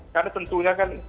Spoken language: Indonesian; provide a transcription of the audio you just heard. karena tentunya kan